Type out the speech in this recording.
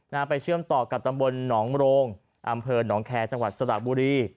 ไปเชื่อมต่อกับตำบลหนองโรงอำเภอหนองแคร์จังหวัดสระบุรี